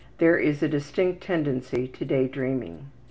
There is a distinct tendency to day dreaming.